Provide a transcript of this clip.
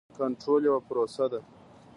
کنټرول یوه پروسه ده.